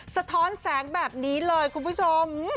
สะท้อนแสงแบบนี้เลยคุณผู้ชม